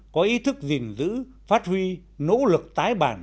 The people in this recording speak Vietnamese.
có ý thức gìn giữ phát huy nỗ lực tái bản